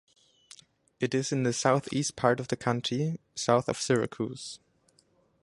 It is in the southeast part of the county, south of Syracuse.